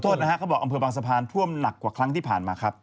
โทษนะฮะเขาบอกอำเภอบางสะพานท่วมหนักกว่าครั้งที่ผ่านมาครับ